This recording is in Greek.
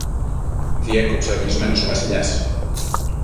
διέκοψε οργισμένος ο Βασιλιάς.